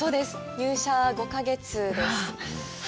入社５か月です。